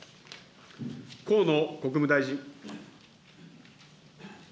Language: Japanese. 河野国務大臣。